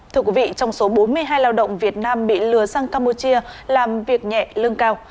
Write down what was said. thưa quý vị trong số bốn mươi hai lao động việt nam bị lừa sang campuchia làm việc nhẹ lương cao